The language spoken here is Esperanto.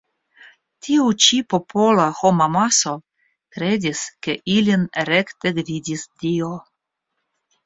Tiu ĉi popola homamaso kredis ke ilin rekte gvidis Dio.